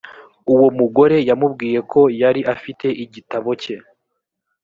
uwo mugore yamubwiye ko yari afite igitabo cye